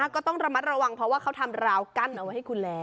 ก็ต้องระมัดระวังเพราะว่าเขาทำราวกั้นเอาไว้ให้คุณแล้ว